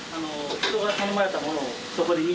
人が頼まれたものをそこで見て。